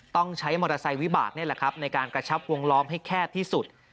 ต้องใช้มอเตอร์ไซค์วิบากในการกระชับวงล้อมให้แคบที่สุด